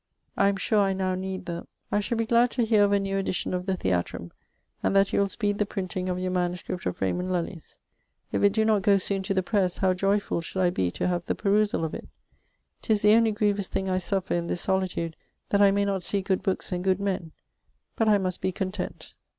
I am sure I now need the.... I shall be glad to heare of a new edition of the Theatrum and that you will speed the printing of your MS. of Raymund Lullye's. If it doe not goe soon to the presse, how joyfull should I be to have the perusall of it! 'Tis the onely grievous thing I suffer in this solitude that I may not see good bookes and good men, but I must be content.